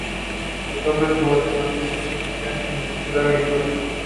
The earthquake collapsed almost every house in the area.